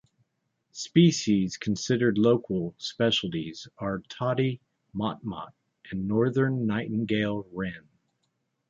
Species considered local specialties are tody motmot and northern nightingale-wren.